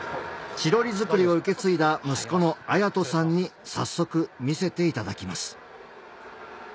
チロリ作りを受け継いだ息子の礼人さんに早速見せていただきます